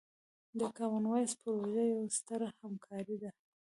د کامن وایس پروژه یوه ستره همکارۍ ده.